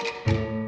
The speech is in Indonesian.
kamu sama kinanti